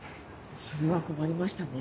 それは困りましたね。